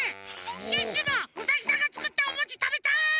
シュッシュもウサギさんがつくったおもちたべたい！